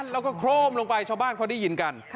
แล้วก็โคร่มลงไปชาวบ้านเขาได้ยินกัน